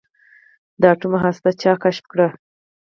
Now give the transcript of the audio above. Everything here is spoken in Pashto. د اتوم هسته چا کشف کړه.